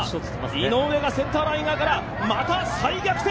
井上がセンターライン側からまた再逆転。